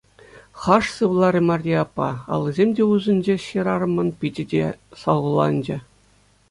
Хаш сывларӗ Марье аппа, аллисем те усӑнчӗҫ хӗрарӑмӑн, пичӗ те салхуланчӗ.